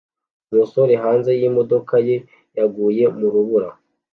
Umusore hanze yimodoka ye yaguye mu rubura